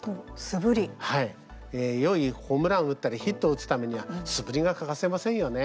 はい、よいホームランを打ったりヒットを打つためには素振りが欠かせませんよね。